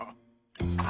あ。